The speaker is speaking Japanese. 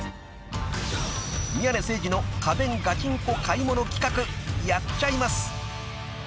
［宮根誠司の家電ガチンコ買い物企画やっちゃいます］